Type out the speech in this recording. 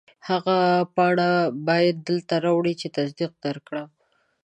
هغه پاڼه بیا دلته راوړه چې تصدیق درکړم.